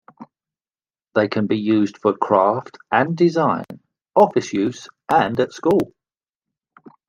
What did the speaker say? They can be used for craft and design, office use and at school.